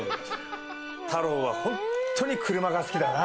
太郎はホントに車が好きだな。